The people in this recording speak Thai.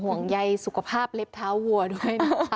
ห่วงได้ยัยสุขภาพเล็บเท้าหัวด้วยด้วยค่ะ